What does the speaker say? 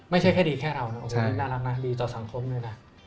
ไม่ใช่แค่ดีแค่เรานะน่ารักนะดีต่อสังคมนึงนะ